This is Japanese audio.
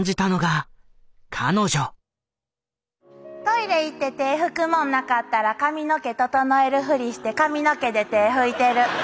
トイレ行ってて拭くもんなかったら髪の毛整えるふりして髪の毛で手拭いてる。